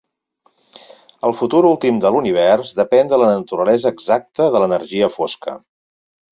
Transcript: El futur últim de l'univers depèn de la naturalesa exacta de l'energia fosca.